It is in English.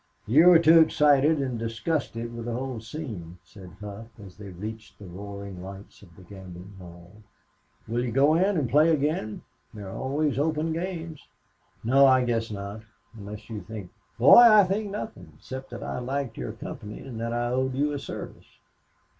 "You were too excited and disgusted with the whole scene," said Hough as they reached the roaring lights of the gambling hell. "Will you go in and play again? There are always open games." "No, I guess not unless you think " "Boy, I think nothing except that I liked your company and that I owed you a service.